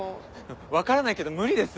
分からないけど無理です。